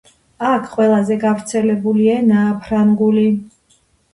აქ ყველაზე გავრცელებული ენაა ფრანგული.